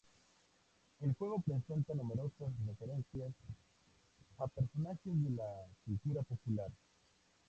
El juego presenta numerosas referencias a personajes de la cultura popular.